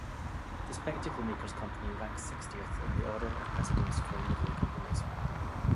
The Spectacle Makers' Company ranks sixtieth in the order of precedence for Livery Companies.